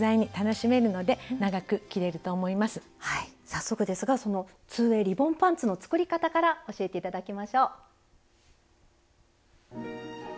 早速ですがその２ｗａｙリボンパンツの作り方から教えて頂きましょう。